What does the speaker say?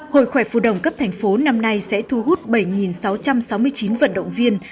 hội khoẻ phù đồng tp năm nay sẽ thu hút bảy sáu trăm sáu mươi chín vận động viên